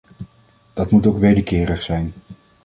Dat moet ook wederkerig zijn.